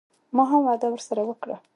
ما هم وعده ورسره وکړه.